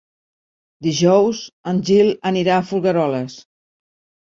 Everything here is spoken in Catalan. Dijous en Gil anirà a Folgueroles.